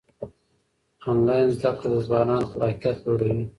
آنلاین زده کړه د ځوانانو خلاقیت لوړوي.